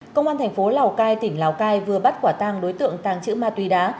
công an thành phố lào cai tỉnh lào cai vừa bắt quả tang đối tượng tàng trữ ma túy đá